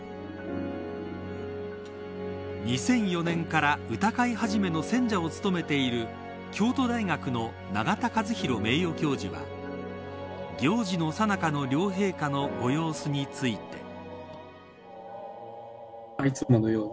２００４年から歌会始の選者を務めている京都大学の永田和宏名誉教授は行事のさなかの両陛下のご様子について。